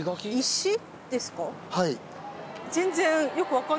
はい。